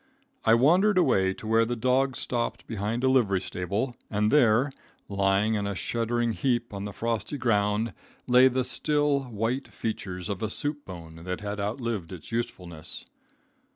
I wandered away to where the dog stopped behind a livery stable, and there, lying in a shuddering heap on the frosty ground, lay the still, white features of a soup bone that had outlived its usefulness.